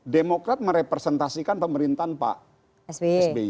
demokrat merepresentasikan pemerintahan pak sby